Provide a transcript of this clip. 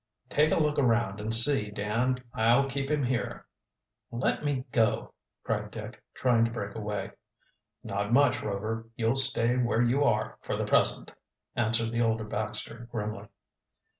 "Take a look around and see, Dan. I'll keep him here." "Let me go!" cried Dick, trying to break away. "Not much, Rover. You'll stay right where you are for the present," answered the older Baxter grimly.